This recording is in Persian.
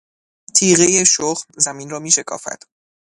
تیغهی شخم، زمین را میشکافد.